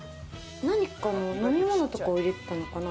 何かの飲み物とかを入れてたのかな。